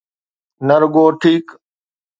نه رڳو ٺيڪ.